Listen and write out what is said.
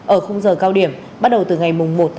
ở khung giờ cao điểm bắt đầu từ ngày một